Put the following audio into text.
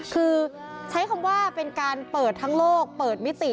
คือใช้คำว่าเป็นการเปิดทั้งโลกเปิดมิติ